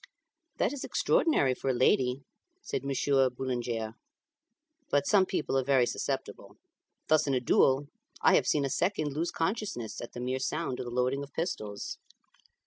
"That is extraordinary for a lady," said Monsieur Boulanger; "but some people are very susceptible. Thus in a duel, I have seen a second lose consciousness at the mere sound of the loading of pistols."